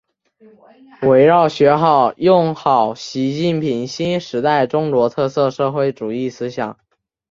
围绕学好、用好习近平新时代中国特色社会主义思想